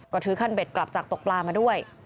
ก็ถือขั้นเด็ดกลับจากตกปลามาด้วย